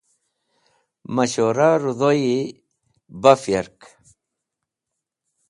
Mashura rẽdhoyi maf yark.